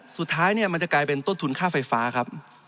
สุดท้ายมันจะกลายเป็นต้นทุนค่าไฟฟ้า